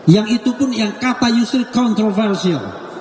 yang itu pun yang kata yusril kontroversial